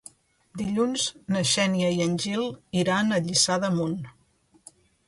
Dilluns na Xènia i en Gil iran a Lliçà d'Amunt.